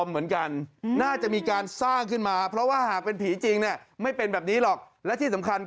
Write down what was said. มันจะเป็นอย่างไรใช่ไหม